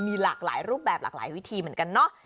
มีหลากหลายรูปแบบหลากหลายวิธีเหมือนกันเนาะ